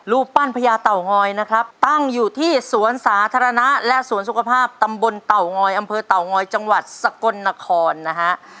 รูปปั้นพญาเต่างอยนะครับตั้งอยู่ที่สวนสาธารณะและสวนสุขภาพตำบลเต่างอยอำเภอเต่างอยจังหวัดสกลนครนะฮะ